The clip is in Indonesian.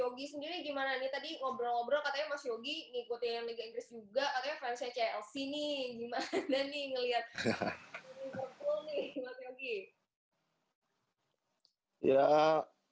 yogi sendiri gimana nih tadi ngobrol ngobrol katanya mas yogi ngikutin liga inggris juga katanya fansnya clc nih gimana nih ngeliat liverpool nih mas yogi ya